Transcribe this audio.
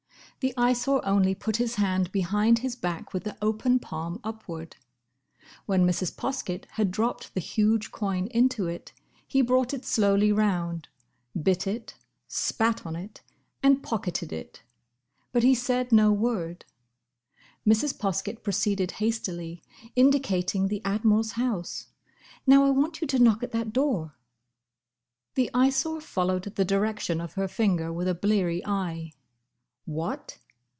The Eyesore only put his hand behind his back with the open palm upward. When Mrs. Poskett had dropped the huge coin into it, he brought it slowly round, bit it, spat on it, and pocketed it. But he said no word. Mrs. Poskett proceeded hastily, indicating the Admiral's house. "Now I want you to knock at that door." The Eyesore followed the direction of her finger with a bleary eye. What!